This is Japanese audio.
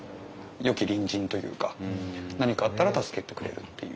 よき隣人というか何かあったら助けてくれるっていう。